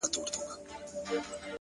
زما په غــېږه كــي نــاســور ويـده دی ـ